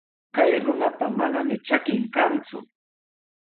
Chay runapa manami trakin kanku.